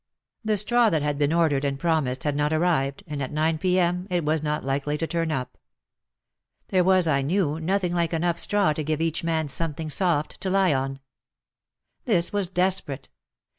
The straw that had been ordered and promised had not arrived, and at 9 p.m. it was not likely to turn up. There was, I knew, nothing like enough straw to give each man something soft to lie on. This was desperate.